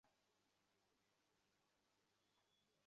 তুমি এখন স্বাধীন।